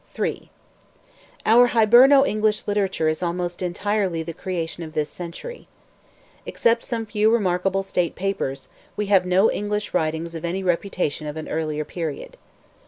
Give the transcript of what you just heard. III. Our Hiberno English literature is almost entirely the creation of this century. Except some few remarkable state papers, we have no English writings of any reputation of an earlier period.